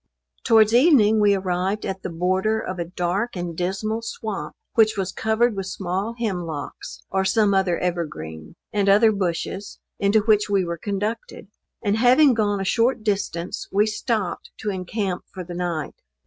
Towards evening we arrived at the border of a dark and dismal swamp, which was covered with small hemlocks, or some other evergreen, and other bushes, into which we were conducted; and having gone a short distance we stopped to encamp for the night.